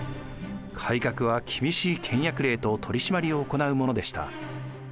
改革は厳しい倹約令と取り締まりを行うものでした。